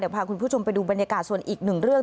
พาคุณผู้ชมไปดูบรรยากาศส่วนอีกหนึ่งเรื่อง